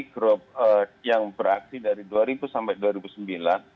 grup yang beraksi dari dua ribu sampai dua ribu sembilan